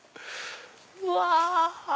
うわ！